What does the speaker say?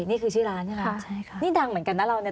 นี่คือชื่อร้านใช่ไหมคะใช่ค่ะนี่ดังเหมือนกันนะเราเนี่ย